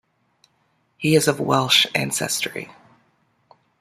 He is of Welsh ancestry.